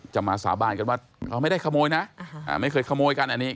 มาสาบานกันว่าไม่ได้ขโมยนะไม่เคยขโมยกันอันนี้